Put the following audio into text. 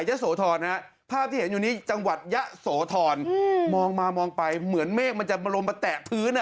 ยะโสธรนะฮะภาพที่เห็นอยู่นี้จังหวัดยะโสธรมองมามองไปเหมือนเมฆมันจะมาลมมาแตะพื้นอ่ะ